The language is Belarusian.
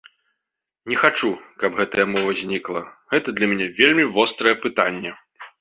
Не хачу, каб гэтая мова знікла, гэта для мяне вельмі вострае пытанне.